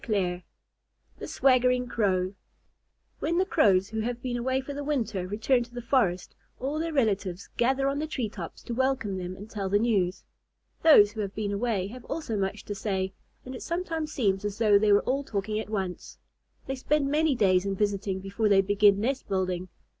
THE SWAGGERING CROW When the Crows who have been away for the winter return to the forest, all their relatives gather on the tree tops to welcome them and tell the news. Those who have been away have also much to say, and it sometimes seems as though they were all talking at once. They spend many days in visiting before they begin nest building.